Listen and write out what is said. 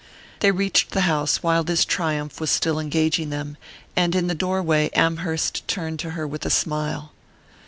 They reached the house while this triumph was still engaging them; and in the doorway Amherst turned to her with a smile.